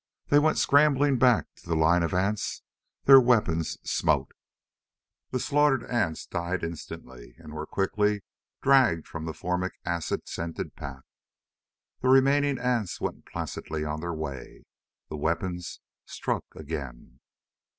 They went scrambling back to the line of ants. Their weapons smote. The slaughtered ants died instantly and were quickly dragged from the formic acid scented path. The remaining ants went placidly on their way. The weapons struck again.